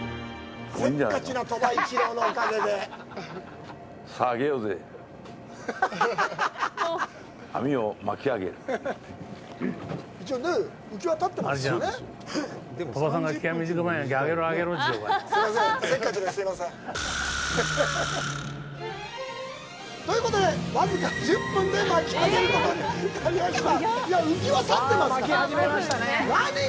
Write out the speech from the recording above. せっかちな鳥羽一郎のせいで。ということで僅か１０分で巻き上げることになりました。